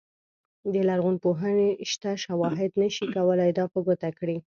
د لرغونپوهنې شته شواهد نه شي کولای دا په ګوته کړي.